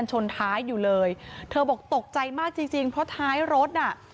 ชนท้ายอยู่เลยเธอบอกตกใจมากจริงจริงเพราะท้ายรถน่ะ